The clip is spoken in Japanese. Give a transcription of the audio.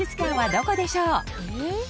どこでしょう？